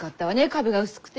壁が薄くて。